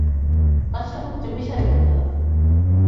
কাজটা খুব চুপিসারে করতে হবে।